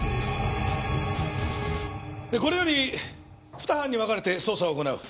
これより二班に分かれて捜査を行う。